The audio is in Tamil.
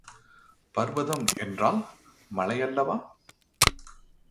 பர்வதம் என்றால் மலையல்லவா!